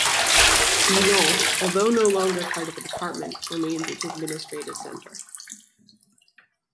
Lyon, although no longer part of the department, remains its administrative center.